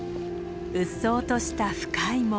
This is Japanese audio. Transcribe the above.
うっそうとした深い森。